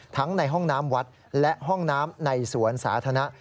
ในห้องน้ำวัดและห้องน้ำในสวนสาธารณะ